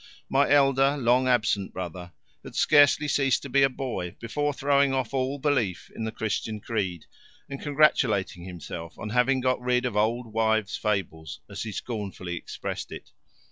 My elder long absent brother had scarcely ceased to be a boy before throwing off all belief in the Christian creed and congratulating himself on having got rid of old wives' fables, as he scornfully expressed it.